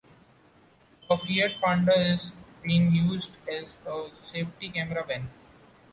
A Fiat Panda is being used as a safety camera van.